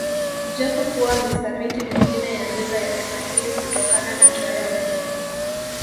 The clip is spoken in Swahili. Japo kuwa misamiti mingine ya lugha ya kiswahili hutokana na kiarabu